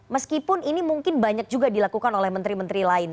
meskipun ini mungkin banyak juga dilakukan oleh menteri menteri lain